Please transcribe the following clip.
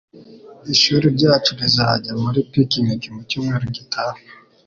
Ishuri ryacu rizajya muri picnic mucyumweru gitaha.